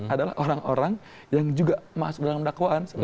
adalah orang orang yang juga masuk dalam dakwaan